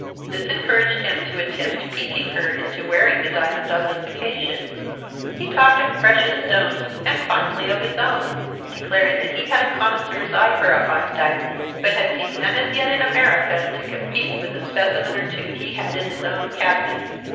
This encouraged him to attempt piquing her into wearing the diamond on this occasion. He talked of precious stones and finally of his own, declaring that he had a connoisseur's eye for a fine diamond, but had seen none as yet in America to compete with a specimen or two he had in his own cabinets.